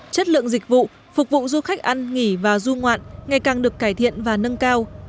chất lượng dịch vụ phục vụ du khách ăn nghỉ và du ngoạn ngày càng được cải thiện và nâng cao